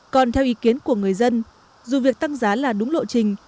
còn theo ý kiến của người dân dù việc tăng giá là đúng lộ trình